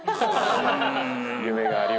夢がありますね。